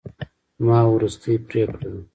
زما وروستۍ پرېکړه ده.